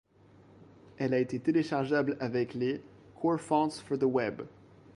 Elle a été téléchargeable avec les Core fonts for the Web.